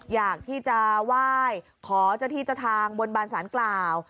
อยากที่จะไหว้ขอเจ้าที่เจ้าทางบนบานสารกล่าว